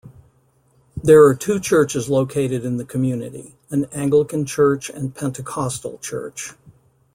There are two churches located in the community, an Anglican church and Pentecostal church.